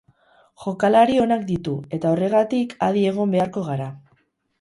Jokalari onak ditu, eta horregatik adi egon beharko gara.